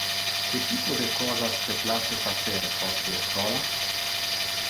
Que typo de cosas te place facer post le schola?